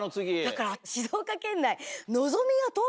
だから静岡県内。